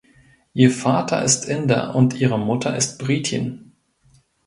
Ihr Vater ist Inder und ihre Mutter ist Britin.